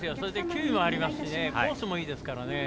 球威もありますしコースもいいですからね。